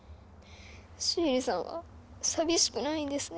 シエリさんは寂しくないんですね。